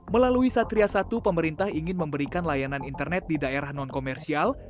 melalui satria satu pemerintah ingin memberikan layanan internet di daerah non komersial